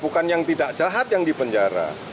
bukan yang tidak jahat yang dipenjara